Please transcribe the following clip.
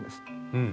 うん。